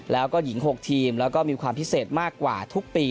แล้วก็หญิง๖ทีมแล้วก็มีความพิเศษมากกว่าทุกปี